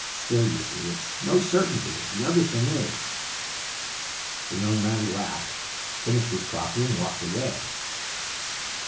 Still, you see, it's no certainty, and the other thing is." The young man laughed, finished his coffee, and walked away.